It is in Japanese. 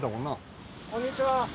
こんにちは。